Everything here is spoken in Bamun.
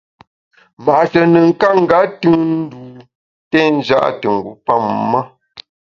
Ma’she nùn ka nga tùn ndû té nja’ te ngu pamem ma.